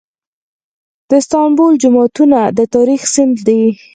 د استانبول جوماتونه د تاریخ سند دي.